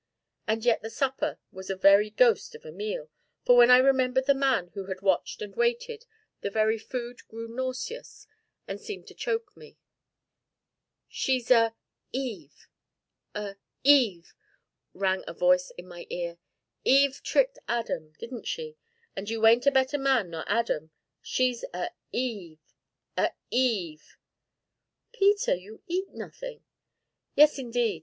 And yet the supper was a very ghost of a meal, for when I remembered the man who had watched and waited, the very food grew nauseous and seemed to choke me. "She's a Eve a Eve!" rang a voice in my ear; "Eve tricked Adam, didn't she, and you ain't a better man nor Adam; she's a Eve a Eve!" "Peter, you eat nothing." "Yes, indeed!"